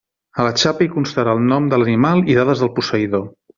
En la xapa hi constarà el nom de l'animal i dades del posseïdor.